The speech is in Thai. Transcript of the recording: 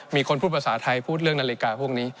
มีคนพูดภาษาไทยพูดเรื่องนาฬิกาพวกนี้